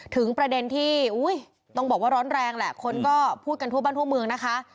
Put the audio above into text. ถึงประเด็นที่ต้องบอกว่าร้อนแรงแหละคนก็พูดกันทั่วบ้านทั่วเมืองนะคะ